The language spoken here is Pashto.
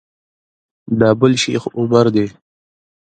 دا بل شیخ عمر دی.